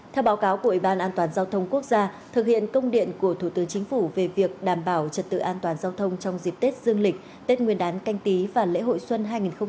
theo báo cáo của ủy ban an toàn giao thông quốc gia thực hiện công điện của thủ tướng chính phủ về việc đảm bảo trật tự an toàn giao thông trong dịp tết dương lịch tết nguyên đán canh tí và lễ hội xuân hai nghìn hai mươi